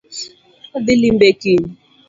Adhii limbe kiny